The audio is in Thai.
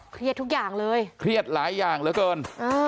ทุกอย่างเลยเครียดหลายอย่างเหลือเกิน